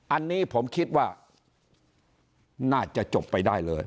อันนี้ผมคิดว่าน่าจะจบไปได้เลย